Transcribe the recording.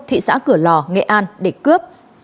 thị xã cửa lò nghệ an để cướp